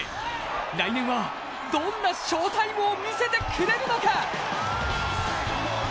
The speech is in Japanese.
来年はどんな翔タイムを見せてくれるのか。